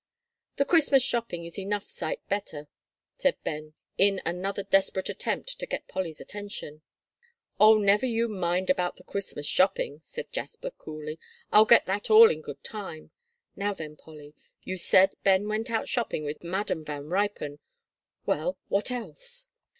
"The Christmas shopping is enough sight better," said Ben, in another desperate attempt to get Polly's attention. "Oh, never you mind about the Christmas shopping," said Jasper, coolly, "I'll get that all in good time. Now then, Polly, you said Ben went out shopping with Madam Van Ruypen. Well, what else?"